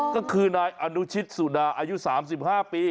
ก็คือนายอนุชิตสุดาอายุ๓๕ปี